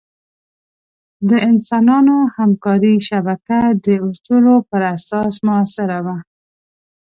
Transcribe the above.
د انسانانو همکارۍ شبکه د اصولو پر اساس مؤثره وه.